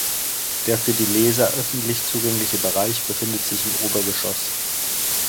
Der für die Leser öffentlich zugängliche Bereich befindet sich im Obergeschoß.